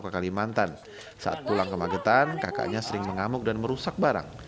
ke kalimantan saat pulang ke magetan kakaknya sering mengamuk dan merusak barang